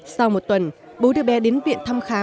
sau một tuần bố đứa bé đến viện thăm khám